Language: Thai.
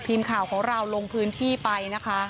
ทีมข่าวของเราลงพื้นที่ไปนะคะ